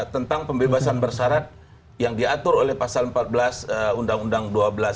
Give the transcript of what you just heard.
tentang pembebasan bersarat yang diatur oleh pasal empat belas undang undang seribu dua ratus sembilan puluh lima